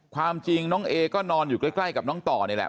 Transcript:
ความจริงน้องเอก็นอนอยู่ใกล้กับน้องต่อนี่แหละ